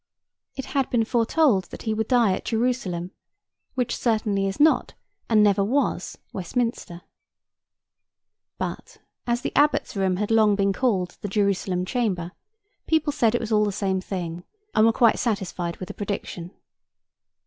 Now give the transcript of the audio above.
It had been foretold that he would die at Jerusalem, which certainly is not, and never was, Westminster. But, as the Abbot's room had long been called the Jerusalem chamber, people said it was all the same thing, and were quite satisfied with the prediction.